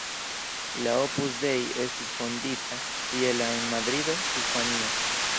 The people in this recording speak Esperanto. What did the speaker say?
La Opus Dei estis fondita je la en Madrido, Hispanio.